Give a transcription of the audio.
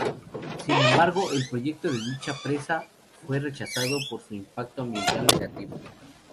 Sin embargo, el proyecto de dicha presa fue rechazado por su impacto ambiental negativo.